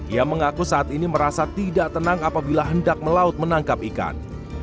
ia mengaku saat ini merasa tidak tenang apabila hendak melaut menangkap ikan